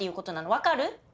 分かる？